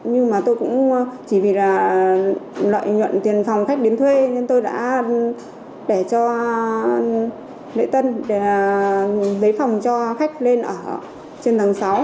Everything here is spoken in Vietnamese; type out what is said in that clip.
nhưng mà tôi cũng chỉ vì là lợi nhuận tiền phòng khách đến thuê nên tôi đã để cho lễ tân để lấy phòng cho khách lên ở trên tháng sáu